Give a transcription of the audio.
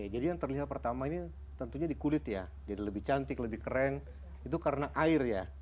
jadi yang terlihat pertama ini tentunya di kulit ya jadi lebih cantik lebih keren itu karena air ya